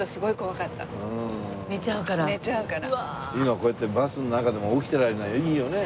今はこうやってバスの中でも起きていられるのはいいよね。